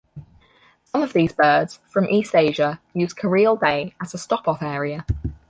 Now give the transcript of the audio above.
Some of these birds, from East-Asia, use Careel Bay as a stop off area.